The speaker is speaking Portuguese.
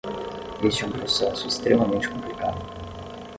Este é um processo extremamente complicado.